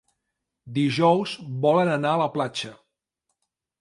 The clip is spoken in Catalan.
Dijous volen anar a la platja.